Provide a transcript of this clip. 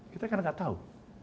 kita kadang kadang tidak tahu